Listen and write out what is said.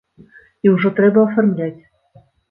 І ўжо трэба афармляць.